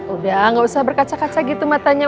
udah gak usah berkaca kaca gitu matanya